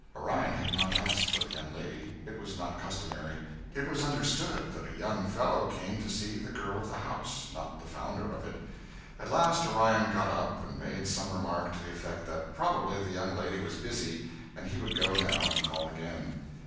Orion had not asked for the young lady. It was not customary. It was understood that a young fellow came to see the girl of the house, not the founder of it. At last Orion got up and made some remark to the effect that probably the young lady was busy and he would go now and call again.